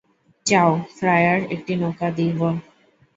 চাও ফ্রায়ায় একটি নৌকা নিব।